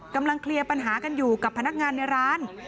กำลังเคลียร์ปัญหากันอยู่กับพนักงานในร้าน